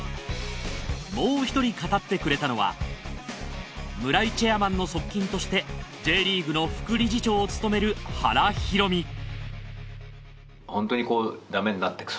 もう１人語ってくれたのは村井チェアマンの側近としてＪリーグの副理事長を務める原博実